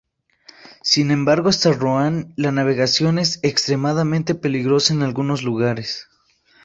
Sin embargo hasta Roanne la navegación es extremadamente peligrosa en algunos lugares.